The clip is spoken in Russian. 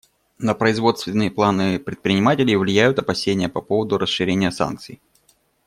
На производственные планы предпринимателей влияют опасения по поводу расширения санкций.